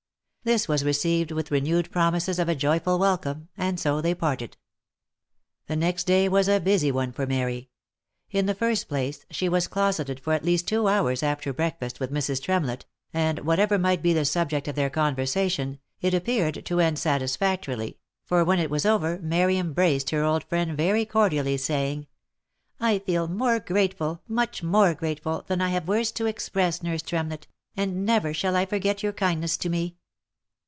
This was received with renewed promises of a joyful welcome, and so they parted. The next day was a busy one for Mary. In the first place she was closeted for at least two, hours after breakfast with Mrs. Tremlett, and, whatever might be the subject of their conversation, it appeared to end satisfactorily, for when it was over Mary embraced her old friend very cordially, saying, " I feel more grateful, much more grateful, than I have words to express, nurse Tremlett, and never shall I forget your kindness to me